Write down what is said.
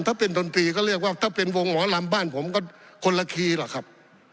ถ้าเป็นดนตรีก็เรียกว่าถ้าเป็นวงหมอลำบ้านผมก็คนละคีย์ล่ะครับ